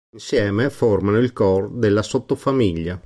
Insieme formano il "core" della sottofamiglia.